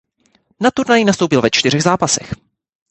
Na turnaji nastoupil ve čtyřech zápasech.